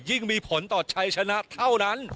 มีผลต่อชัยชนะเท่านั้น